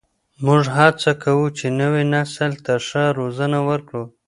موږ هڅه کوو چې نوي نسل ته ښه روزنه ورکړو.